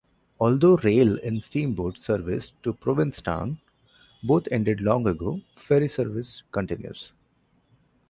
Although rail and steamboat service to Provincetown both ended long ago, ferry service continues.